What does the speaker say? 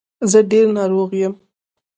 زه ډېر ناروغ یم.